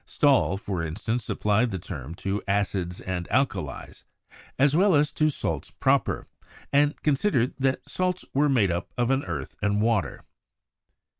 Stahl, for instance, applied the term to acids and alkalies as well as to salts proper, and considered that salts were made up of an earth and water.